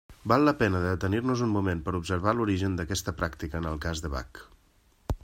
Val la pena de detenir-nos un moment per observar l'origen d'aquesta pràctica en el cas de Bach.